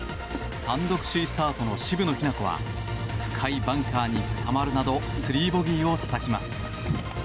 単独首位スタートの渋野日向子は深いバンカーにつかまるなど３ボギーをたたきます。